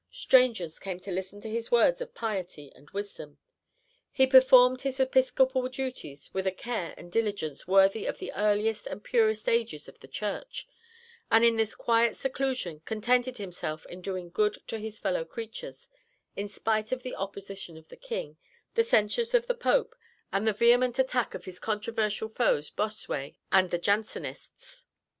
Strangers came to listen to his words of piety and wisdom. He performed his episcopal duties with a care and diligence worthy of the earliest and purest ages of the Church, and in this quiet seclusion contented himself in doing good to his fellow creatures, in spite of the opposition of the King, the censures of the Pope, and the vehement attacks of his controversial foes Bossuet and the Jansenists.